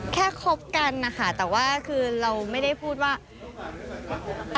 คบกันนะคะแต่ว่าคือเราไม่ได้พูดว่า